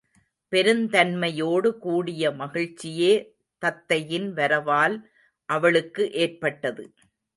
பெருந்தன்மையோடு கூடிய மகிழ்ச்சியே தத்தையின் வரவால் அவளுக்கு ஏற்பட்டது.